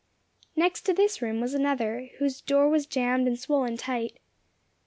Next to this room was another, whose door was jammed and swollen tight.